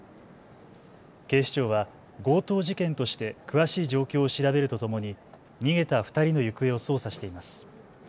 警視庁は強盗事件として詳しい状況を調べるとともに逃げた２人の行方を捜査しています。